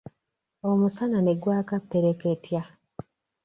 Omusana ne gwaka ppereketya.